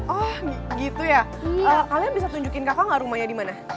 oh gitu ya kalian bisa tunjukin kakak gak rumahnya di mana